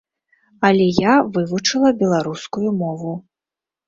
Але я вывучыла беларускую мову.